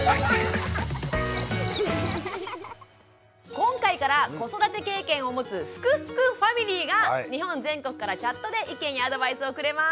今回から子育て経験を持つ「すくすくファミリー」が日本全国からチャットで意見やアドバイスをくれます。